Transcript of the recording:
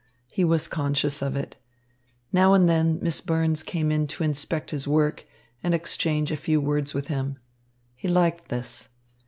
He was conscious of it. Now and then Miss Burns came in to inspect his work and exchange a few words with him. He liked this.